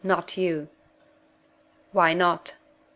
not you!" "Why not?"